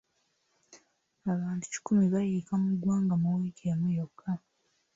Abantu kikumi bayiika mu ggwanga mu wiiki emu yokka.